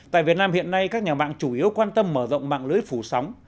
tại việt nam hiện nay các nhà mạng chủ yếu quan tâm mở rộng mạng lưới phủ sóng